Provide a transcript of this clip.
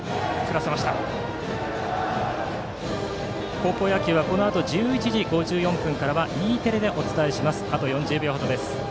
高校野球はこのあと１１時５４分からＥテレでお伝えします。